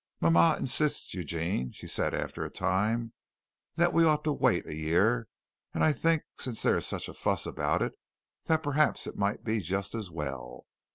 "Mama insists, Eugene," she said after a time, "that we ought to wait a year, and I think since there is such a fuss about it, that perhaps it might be just as well.